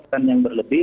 kemungkinan yang berlebih